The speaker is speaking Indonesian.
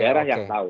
daerah yang tahu